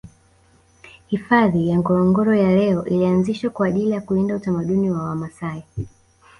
Hifadhi ya Ngorongoro ya leo ilianzishwa kwa ajili ya kulinda utamaduni wa wamaasai